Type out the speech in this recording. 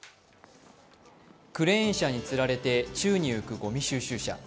クレーン車につられて宙に浮くごみ収集車。